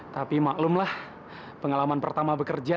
tapi maklumlah pengalaman pertama bekerja